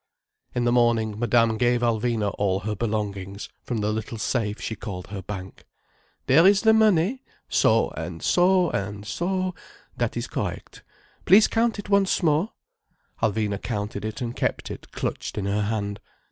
In the morning Madame gave Alvina all her belongings, from the little safe she called her bank. "There is the money—so—and so—and so—that is correct. Please count it once more!—" Alvina counted it and kept it clutched in her hand.